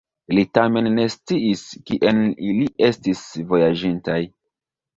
Li tamen ne sciis, kien ili estis vojaĝintaj.